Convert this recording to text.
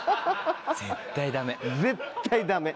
絶対ダメ。